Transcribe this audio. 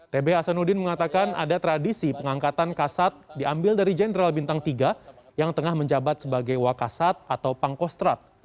tb hasanuddin mengatakan ada tradisi pengangkatan kasat diambil dari jenderal bintang tiga yang tengah menjabat sebagai wakasat atau pangkostrat